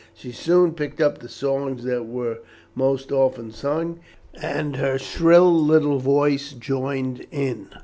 She soon picked up the songs that were most often sung, and her shrill little voice joined in.